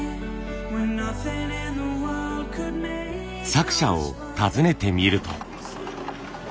作者を訪ねてみると。